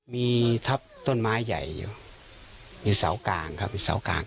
มีทับต้นไม้ใหญ่อยู่มีเสากลางครับมีเสากลาง